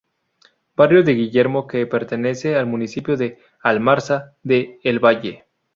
Barrio de Gallinero que pertenece al municipio de Almarza, de El Valle.